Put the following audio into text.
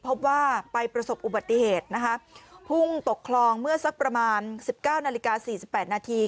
พบว่าไปประสบอุบัติเหตุนะคะพุ่งตกคลองเมื่อสักประมาณสิบเก้านาฬิกาสี่สิบแปดนาที